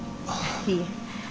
いえ。